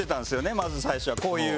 まず最初はこういう。